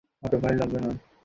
তোমাকে পান্ডা হতে হবে না।